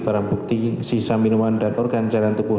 barang bukti sisa minuman dan organ jalan tubuh